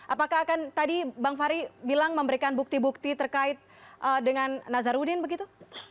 apakah akan tadi bang fahri bilang memberikan bukti bukti terkait dengan nazarudin begitu